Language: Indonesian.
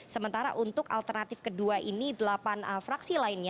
sementara untuk alternatif kedua ini delapan fraksi lainnya